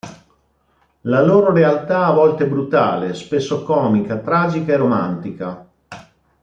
La loro realtà è a volte brutale, spesso comica, tragica e romantica.